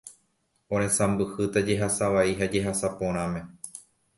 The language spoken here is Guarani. oresãmbyhýta jehasa vai ha jehasa porãme